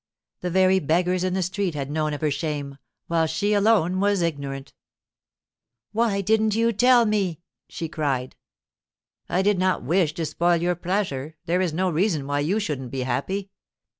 The very beggars in the street had known of her shame, while she alone was ignorant. 'Why didn't you tell me?' she cried. 'I did not wish to spoil your pleasure; there is no reason why you shouldn't be happy.